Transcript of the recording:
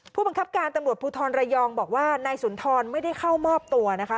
ผู้บังคับการตำรวจภูทรระยองบอกว่านายสุนทรไม่ได้เข้ามอบตัวนะคะ